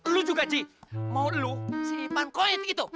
lu juga ji mau lu siipan koid gitu